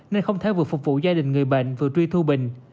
nên không thể vừa phục vụ gia đình người bệnh vừa truy thu bình